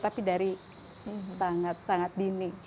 tapi dari sangat dinik